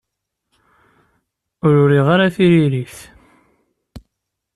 Ur uriɣ ara tiririt.